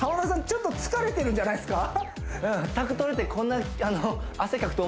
ちょっと疲れてるんじゃないですか？